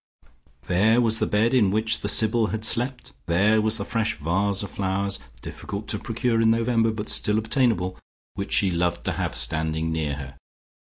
There was the bed in which the Sybil had slept; there was the fresh vase of flowers, difficult to procure in November, but still obtainable, which she loved to have standing near her.